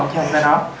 chứ không phải nó